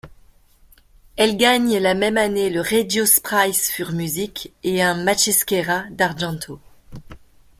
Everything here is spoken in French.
Elle gagne la même année le Regio-Preis für Musik et un Maschera d’Argento.